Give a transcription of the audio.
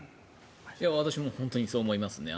私も本当にそう思いますね。